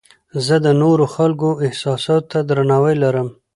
زه د نورو خلکو احساساتو ته درناوی لرم.